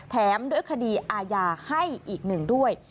แถมด้วยคดีอาญาให้อีกหนึ่งด้วย